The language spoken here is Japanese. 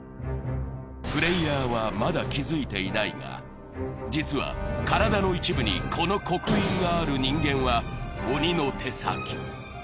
プレイヤーはまだ気付いていないが実は体の一部にこの刻印がある人間は鬼の手先。